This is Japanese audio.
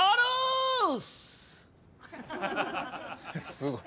すごい。